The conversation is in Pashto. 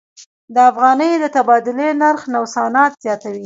د افغانۍ د تبادلې نرخ نوسانات زیاتوي.